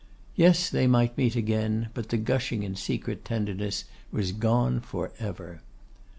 Yes, they might meet again, but the gushing and secret tenderness was gone for ever.